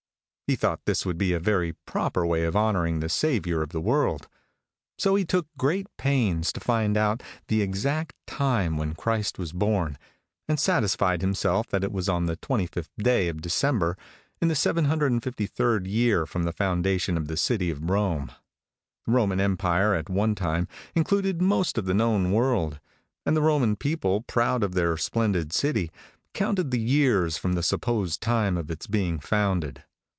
He thought this would be a very proper way of honoring the Saviour of the world. So he took great pains to find out the exact time when Christ was born, and satisfied himself that it was on the 25th day of December, in the 753d year from the foundation of the city of Rome. The Roman Empire at one time included most of the known world; and the Roman people, proud of their splendid city, counted the years from the supposed time of its being founded.